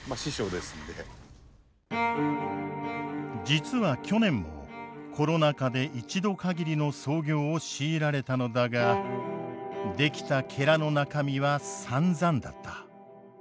実は去年もコロナ禍で一度かぎりの操業を強いられたのだが出来たの中身はさんざんだった。